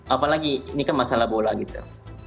apalagi ini kan masalah bola gitu